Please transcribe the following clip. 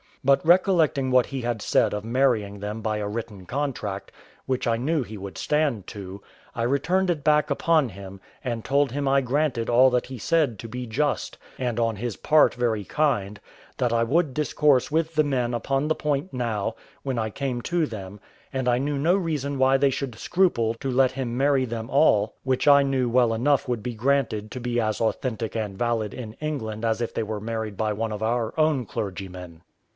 But recollecting what he had said of marrying them by a written contract, which I knew he would stand to, I returned it back upon him, and told him I granted all that he had said to be just, and on his part very kind; that I would discourse with the men upon the point now, when I came to them; and I knew no reason why they should scruple to let him marry them all, which I knew well enough would be granted to be as authentic and valid in England as if they were married by one of our own clergymen.